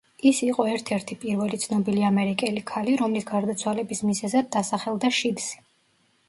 ის იყო ერთ-ერთი პირველი ცნობილი ამერიკელი ქალი, რომლის გარდაცვალების მიზეზად დასახელდა შიდსი.